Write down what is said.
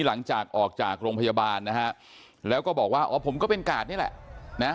หลังจากออกจากโรงพยาบาลนะฮะแล้วก็บอกว่าอ๋อผมก็เป็นกาดนี่แหละนะ